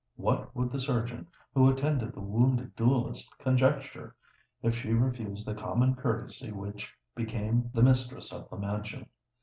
what would the surgeon, who attended the wounded duellist, conjecture if she refused the common courtesy which became the mistress of the mansion?